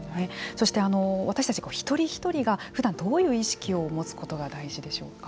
そして、私たち一人一人がふだんどういう意識を持つことが大事でしょうか。